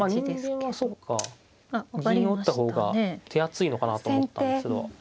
人間はそうか銀を打った方が手厚いのかなと思ったんですけど。